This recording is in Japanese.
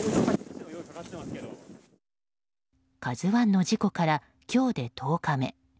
「ＫＡＺＵ１」の事故から今日で１０日目。